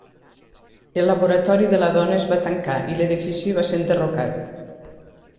El Laboratori de la dona es va tancar i l'edifici va ser enderrocat.